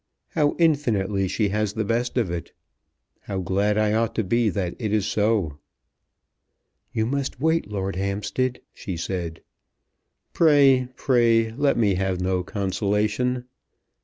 How infinitely she has the best of it! How glad I ought to be that it is so." "You must wait, Lord Hampstead," she said. "Pray, pray, let me have no consolation.